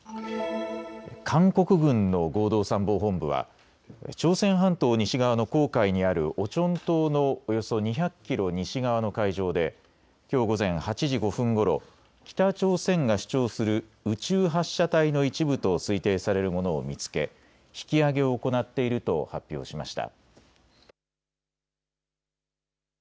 韓国軍の合同参謀本部は朝鮮半島西側の黄海にあるオチョン島のおよそ２００キロ西側の海上できょう午前８時５分ごろ、北朝鮮が主張する宇宙発射体の一部と推定されるものを見つけ引き揚げを行っていると発表しました。